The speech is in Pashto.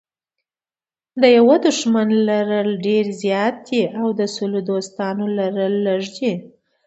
د یوه دښمن لرل ډېر زیات دي او د سلو دوستانو لرل لږ دي.